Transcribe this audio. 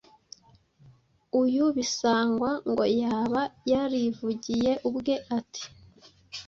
uyu Bisangwa ngo yaba yarivugiye ubwe ati: “